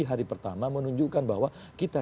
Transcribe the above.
hari pertama menunjukkan bahwa kita